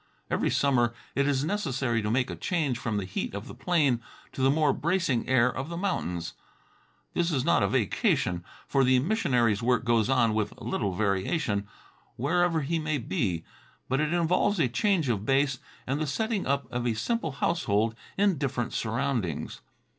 Every summer it is necessary to make a change from the heat of the plain to the more bracing air of the mountains. This is not a vacation, for the missionary's work goes on with little variation, wherever he may be, but it involves a change of base and the setting up of a simple household in different surroundings.